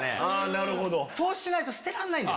なるほど。